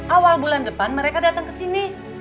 awal bulan depan mereka datang kesini